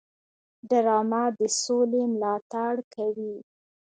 ډرامه د سولې ملاتړ کوي